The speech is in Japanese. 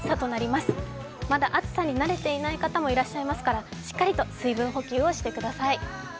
まだ暑さに慣れていない方もいらっしゃいますからしっかりと水分補給をしてください。